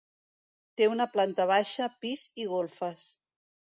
Té una planta baixa, pis, i golfes.